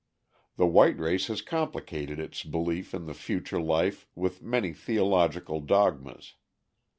The white race has complicated its belief in the future life with many theological dogmas.